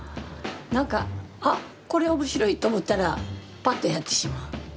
何かあっこれは面白いと思ったらパッとやってしまう。